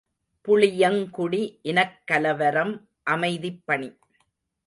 ● புளியங்குடி இனக்கலவரம் அமைதிப்பணி.